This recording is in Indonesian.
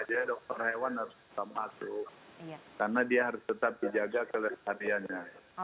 hanya dokter hewan harus sama karena dia harus tetap dijaga kelesariannya